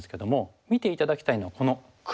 見て頂きたいのはこの黒ですね。